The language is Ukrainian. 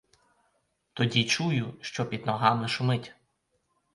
Тоді чую, що під ногами шумить.